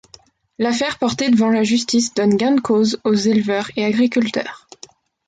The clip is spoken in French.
L'affaire portée devant la justice donne gain de cause aux éleveurs et agriculteurs.